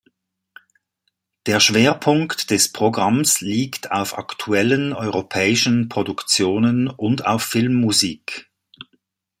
Der Schwerpunkt des Programms liegt auf aktuellen europäischen Produktionen und auf Filmmusik.